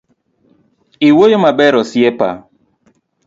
Iwuoyo maber osiepa.